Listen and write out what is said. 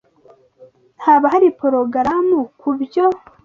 Haba hari porogaramu kubyo?